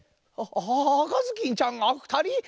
赤ずきんちゃんがふたり？